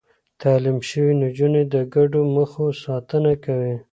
تعليم شوې نجونې د ګډو موخو ساتنه کوي.